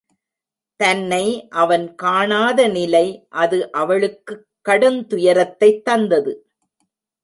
தன்னை அவன் காணாத நிலை அது அவளுக்குக் கடுந்துயரத்தைத் தந்தது.